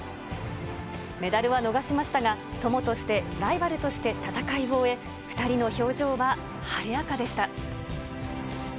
メダルは逃しましたが、友として、ライバルとして戦いを終え、２人の表情は晴れやかでした。